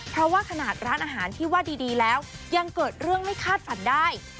เพราะว่าขนาดร้านอาหารที่ว่าดีแล้วยังเกิดเรื่องไม่คาดฝันได้